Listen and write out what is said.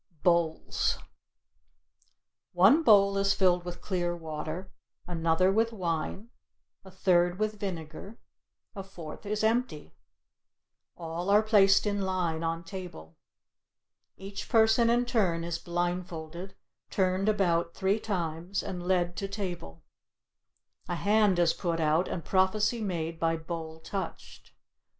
BOWLS One bowl is filled with clear water, another with wine, a third with vinegar, a fourth is empty. All are placed in line on table. Each person in turn is blindfolded, turned about three times, and led to table. A hand is put out and prophecy made by bowl touched.